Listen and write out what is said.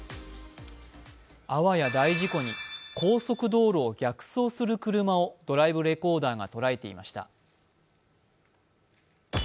あわや大事故に、高速道路を逆送する車をドライブレコーダーが捉えていました。